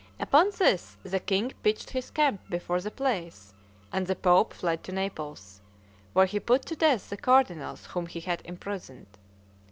Upon this the king pitched his camp before the place, and the pope fled to Naples, where he put to death the cardinals whom he had imprisoned.